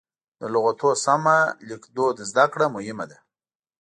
د لغتونو سمه لیکدود زده کړه مهمه ده.